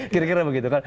kira kira begitu kan